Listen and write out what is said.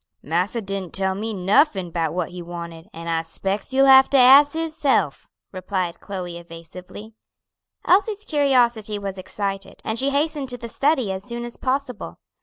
"Massa didn't tell me nuffin 'bout what he wanted, an' I spects you'll have to az hisself," replied Chloe evasively. Elsie's curiosity was excited, and she hastened to the study as soon as possible.